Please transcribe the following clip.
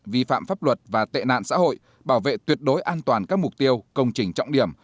vi phạm pháp luật và tệ nạn xã hội bảo vệ tuyệt đối an toàn các mục tiêu công trình trọng điểm